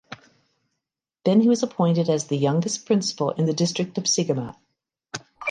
Then he was appointed as the youngest principal in the District of Segamat.